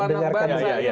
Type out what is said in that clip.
sebagai satu anak bangsa